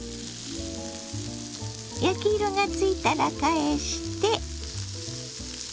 焼き色がついたら返して。